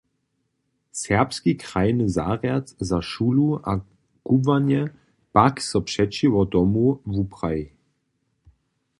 Sakski krajny zarjad za šulu a kubłanje pak so přećiwo tomu wupraji.